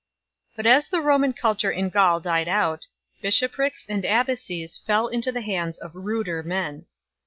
But as the Roman culture in Gaul died out, bishoprics and abbacies fell into the hands of ruder men.